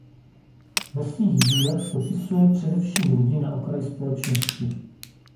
Ve svých dílech popisuje především lidi na okraji společnosti.